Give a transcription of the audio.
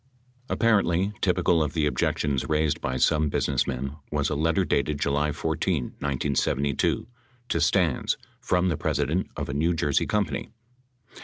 Apparently typical of the objections raised by some businessmen was a letter dated July 14, 1972, to Stans from the president of a New Jersey company.